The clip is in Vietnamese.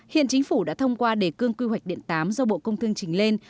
hiện chính phủ đã thông qua đề cương quy hoạch điện tám do bộ công thương trình lên